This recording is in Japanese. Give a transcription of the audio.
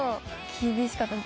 厳しかった。